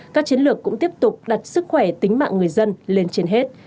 các chiến lược cũng tiếp tục đặt sức khỏe tính mạng người dân lên trên hết